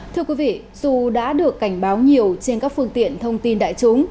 thưa quý vị dù đã được cảnh báo nhiều trên các phương tiện thông tin đại chúng